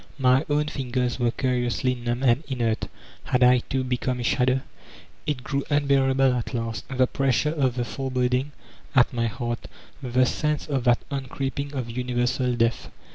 My own fingers were curiously numb and inert; had I, too, become a shadow? It grew unbearable at last, the pressure of the fore boding at my heart, the sense of that on creeping of Universal Death.